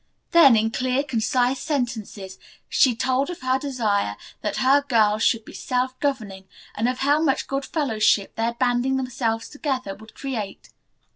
Then in clear, concise sentences she told of her desire that her girls should be self governing and of how much good fellowship their banding themselves together would create.